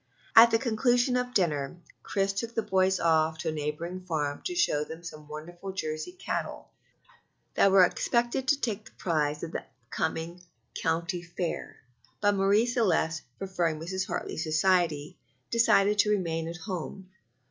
At the conclusion of dinner Chris took the boys off to a neighboring farm to show them some wonderful Jersey cattle that were expected to take the prize at a coming county fair; but Marie Celeste, preferring Mrs. Hartley's society, decided to remain at home.